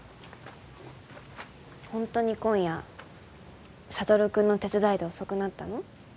本当に今夜智君の手伝いで遅くなったの？